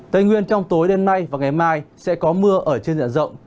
tây nguyên trong tối đêm nay và ngày mai sẽ có mưa ở trên dạng rộng